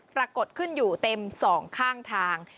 ปรากฏขึ้นอยู่เต็มสองข้างทาง